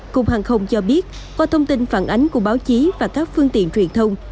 cục hàng không cho biết qua thông tin phản ánh của báo chí và các phương tiện truyền thông